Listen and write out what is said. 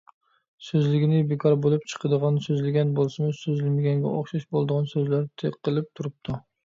سۆزلىگىنى بىكار بولۇپ چىقىدىغان، سۆزلىگەن بولسىمۇ سۆزلىمىگەنگە ئوخشاش بولىدىغان سۆزلەر تىقىلىپ تۇرۇپتۇ.